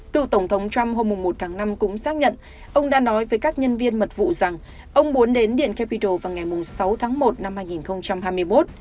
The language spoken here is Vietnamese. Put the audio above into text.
cựu tổng thống trump hôm một tháng năm cũng xác nhận ông đã nói với các nhân viên mật vụ rằng ông muốn đến điện capital vào ngày sáu tháng một năm hai nghìn hai mươi một